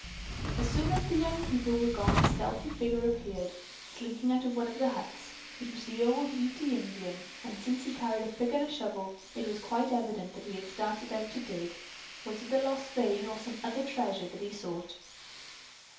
As soon as the young people were gone a stealthy figure appeared, slinking out of one of the huts. It was the old Ute Indian and since he carried a pick and shovel, it was quite evident that he had started out to dig. Was it the lost vein or some other treasure that he sought?